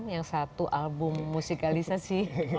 yang satu album musikalisasi